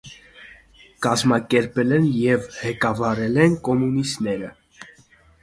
Կազմակերպել և ղեկավարել են կոմունիստները։